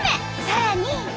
さらに。